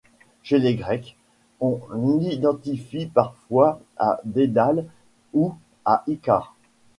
Chez les Grecs, on l'identifie parfois à Dédale ou à Icare.